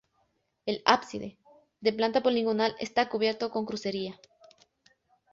El ábside, de planta poligonal está cubierto con crucería.